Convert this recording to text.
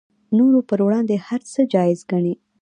نورو پر وړاندې هر څه جایز ګڼي